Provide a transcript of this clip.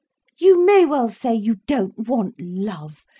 You may well say, you don't want love.